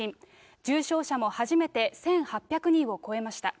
重症者も初めて１８００人を超えました。